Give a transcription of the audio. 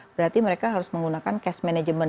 berarti mereka harus menggunakan cash management